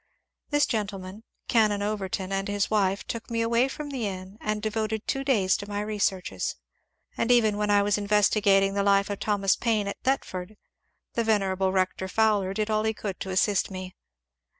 This gentleman, Canon Overton, and his wife took me away from the inn and devoted two days to my researches. And even when I was investigating the life of Thomas Paine at Thetford, the ven erable Rector Fowler did all he could to assist me.